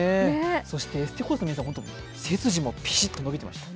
そしてエステコースの皆さん、背筋もピシッと伸びてました。